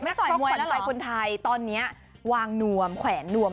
ไม่ต่อยมวยแล้วเหรอไม่ต่อยคนไทยตอนนี้วางหนวมแขวนนวม